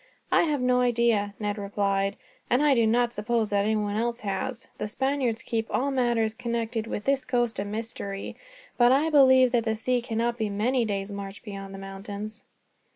"I have no idea," Ned replied, "and I do not suppose that anyone else has. The Spaniards keep all matters connected with this coast a mystery; but I believe that the sea cannot be many days' march beyond the mountains."